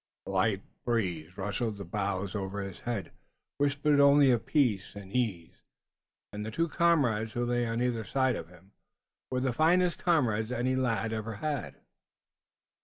The light breeze rustling the boughs over his head whispered only of peace and ease, and the two comrades, who lay on either side of him, were the finest comrades any lad ever had.